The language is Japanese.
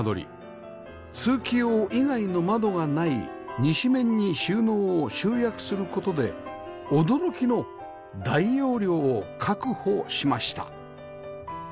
通気用以外の窓がない西面に収納を集約する事で驚きの大容量を確保しました